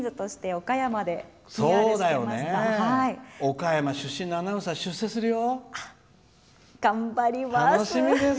岡山出身のアナウンサー出世するよ。